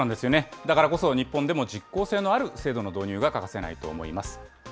だからこそ日本でも実効性のある制度の導入が欠かせないと思います。